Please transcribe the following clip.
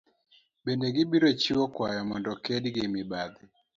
Bende gibiro chiwo kwayo mondo oked gi mibadhi